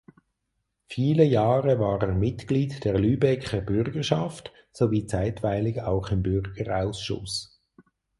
Viele Jahre war er Mitglied der Lübecker Bürgerschaft sowie zeitweilig auch im Bürgerausschuss.